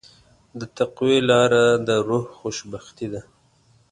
د تقوی لاره د روح خوشبختي ده.